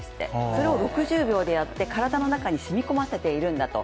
それを６０秒でやって体の中に染み込ませているんだと。